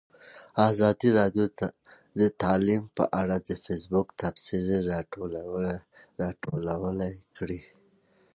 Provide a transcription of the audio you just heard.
ازادي راډیو د تعلیم په اړه د فیسبوک تبصرې راټولې کړي.